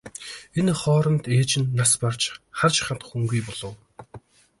Энэ хооронд ээж нь нас барж харж хандах хүнгүй болов.